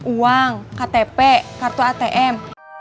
uang ktp kartu atm